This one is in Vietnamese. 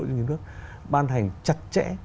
doanh nghiệp nước ban hành chặt chẽ